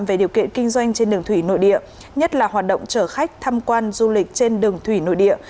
về điều kiện kinh doanh trên đường thủy nội địa nhất là hoạt động chở khách tham quan du lịch trên đường thủy nội địa